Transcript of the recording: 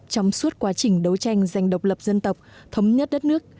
trong suốt quá trình đấu tranh giành độc lập dân tộc thống nhất đất nước